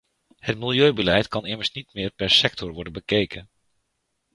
Het milieubeleid kan immers niet meer per sector worden bekeken.